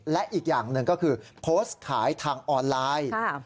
และอีกอย่างหนึ่งก็คือโพสต์ขายทางออนไลน์